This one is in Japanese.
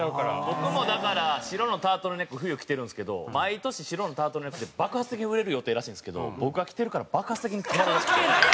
僕もだから白のタートルネック冬着てるんですけど毎年白のタートルネックって爆発的に売れる予定らしいんですけど僕が着てるから爆発的に止まるらしくて。